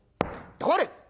「黙れ！